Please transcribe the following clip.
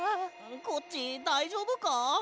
コッチだいじょうぶか？